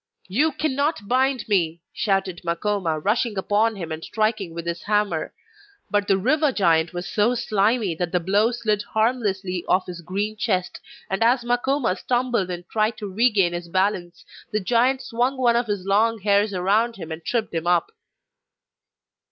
'You cannot bind me!' shouted Makoma, rushing upon him and striking with his hammer. But the river giant was so slimy that the blow slid harmlessly off his green chest, and as Makoma stumbled and tried to regain his balance, the giant swung one of his long hairs around him and tripped him up.